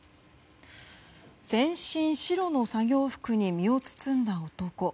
全身白の作業服に身を包んだ男。